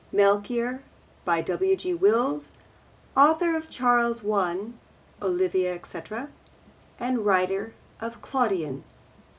Melchior. By W. G. Wills, author of Charles I., Olivia, etc., and writer of Claudian.